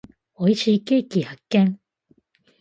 美味しいケーキ発見。